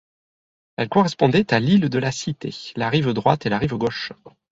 Elles correspondaient à l'île de la Cité, la rive droite et la rive gauche.